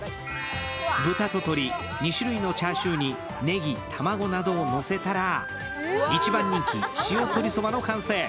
豚と鶏、２種類のチャーシューにねぎ、卵などをのせたら、一番人気塩とりそばの完成。